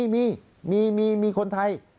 อ๋อมีมีมีมีคนไทย